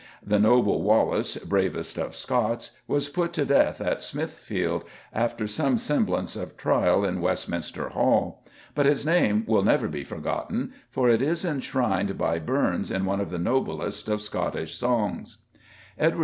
The noble Wallace, bravest of Scots, was put to death at Smithfield after some semblance of trial in Westminster Hall. But his name will never be forgotten, for it is enshrined by Burns in one of the noblest of Scottish songs. Edward II.